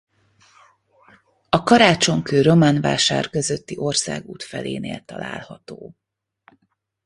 A Karácsonkő–Románvásár közötti országút felénél található.